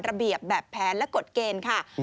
ระเบียบแบบแผนและกฎเกณฑ์ค่ะ